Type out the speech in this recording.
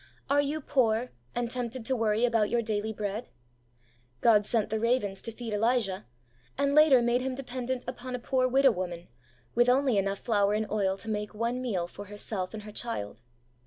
Are you poor, and tempted to worry about your daily bread ? God sent the ravens to feed Elijah, and later made him dependent upon a poor widow woman, with only enough flour and oil to make one meal for herself and her child.